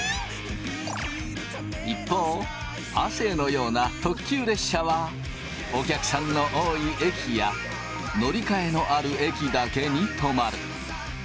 一方亜生のような特急列車はお客さんの多い駅や乗り換えのある駅だけに止まる。